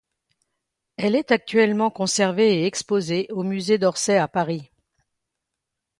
Elle est actuellement conservée et exposée au Musée d'Orsay à Paris.